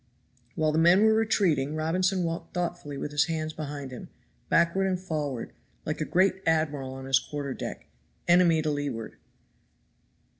While the men were retreating Robinson walked thoughtfully with his hands behind him, backward and forward, like a great admiral on his quarter deck enemy to leeward.